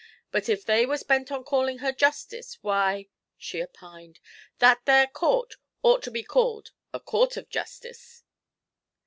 But if they was bent on calling her Justice, why,' she opined, 'that there court ought to be called a court of justice.'